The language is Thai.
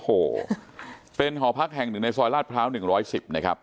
โอ้โหเป็นหอพักแห่งหนึ่งในซอยราชพระราชหนึ่งร้อยสิบนะครับ